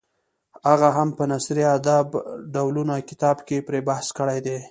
هغه هم په نثري ادب ډولونه کتاب کې پرې بحث کړی دی.